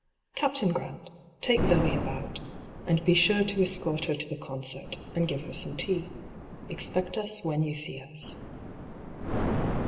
Captain Grant, take Zoe about, and be sure to escort her to the concert, and give her some tea. Expect us when you see us.'